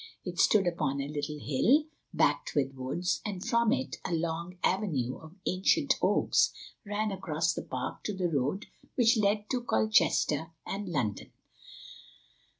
It stood upon a little hill, backed with woods, and from it a long avenue of ancient oaks ran across the park to the road which led to Colchester and London.